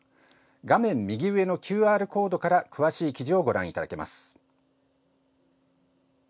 画面右上のＱＲコードから詳しい記事をご覧いただけます。